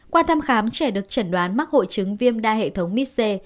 qua thăm khám trẻ được chẩn đoán mắc hội chứng viêm đa hệ thống mis c